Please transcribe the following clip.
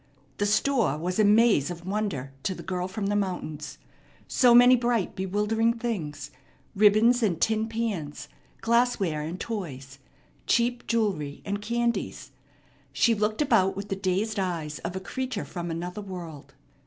The store was a maze of wonder to the girl from the mountains so many bright, bewildering things, ribbons and tin pans, glassware and toys, cheap jewelry and candies. She looked about with the dazed eyes of a creature from another world.